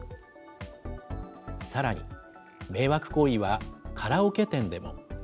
さらに、迷惑行為はカラオケ店でも。